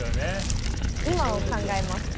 今を考えます。